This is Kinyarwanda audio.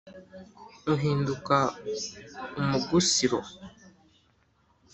uhinduka umugusiro